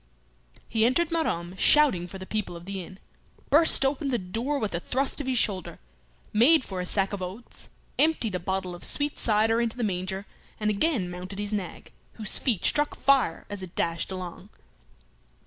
He entered Maromme shouting for the people of the inn, burst open the door with a thrust of his shoulder, made for a sack of oats, emptied a bottle of sweet cider into the manger, and again mounted his nag, whose feet struck fire as it dashed along.